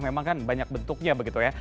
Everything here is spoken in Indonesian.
memang kan banyak bentuknya begitu ya